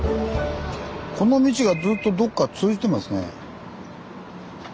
この道がずっとどっか通じてますね。